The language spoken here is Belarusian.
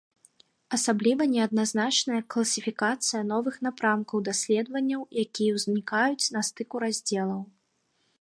Асабліва неадназначная класіфікацыя новых напрамкаў даследаванняў, якія ўзнікаюць на стыку раздзелаў.